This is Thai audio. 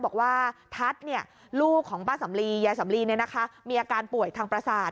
บททัศน์ลูกของป้าสามลีญาสมลีมีอาการป่วยทางประสาท